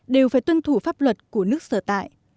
đều phải tuân thủ pháp luật của nước sở tại